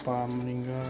tidak ada agama yang salah